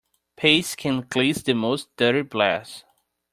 Paste can cleanse the most dirty brass.